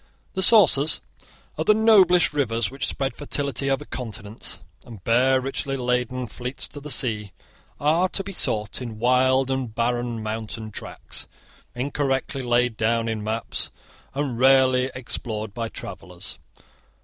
The sources of the noblest rivers which spread fertility over continents, and bear richly laden fleets to the sea, are to be sought in wild and barren mountain tracts, incorrectly laid down in maps, and rarely explored by travellers.